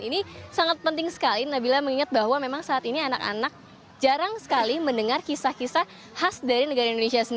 ini sangat penting sekali nabila mengingat bahwa memang saat ini anak anak jarang sekali mendengar kisah kisah khas dari negara indonesia